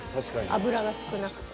脂が少なくて。